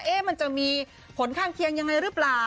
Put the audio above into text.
มันจะมีผลข้างเคียงยังไงหรือเปล่า